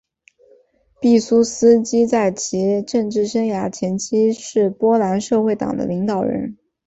毕苏斯基在其政治生涯前期是波兰社会党的领导人。